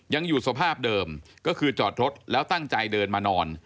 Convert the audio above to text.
ยังอยู่สภาพเดิมก็คือจอดรถแล้วตั้งใจเดินมานอน